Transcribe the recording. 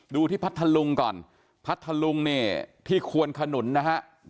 ดูที่พัทธลุงก่อนพัทธลุงที่ควรขนุนนะครับ